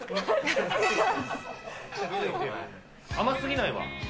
甘すぎないわ。